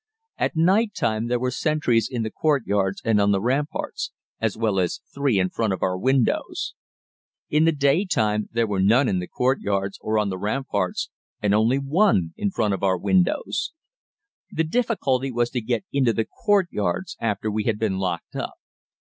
At night time there were sentries in the courtyards and on the ramparts, as well as three in front of our windows. In the day time there were none in the courtyards or on the ramparts, and only one in front of our windows. The difficulty was to get into the courtyards after we had been locked up.